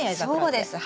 そうです。